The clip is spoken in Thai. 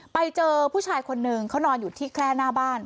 ไปเจอผู้ชายคนนึงเขานอนอยู่ที่แคล่หน้าบ้าน